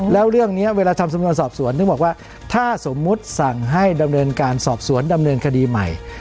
แล้วเรื่องนี้เวลาทำสำนวนสอบสวนถึงบอกว่าถ้าสมมุติสั่งให้ดำเนินการสอบสวนดำเนินคดีใหม่